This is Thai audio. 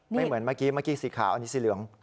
ไม่เหมือนเมื่อกี๊สีขาวสีเหลือง